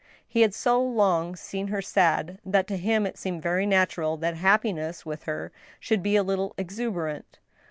He had so long seen her sad, that to him it seemed very natural that happiness with her should be a little ex uberant.